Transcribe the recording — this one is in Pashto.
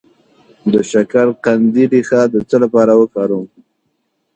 د شکرقندي ریښه د څه لپاره وکاروم؟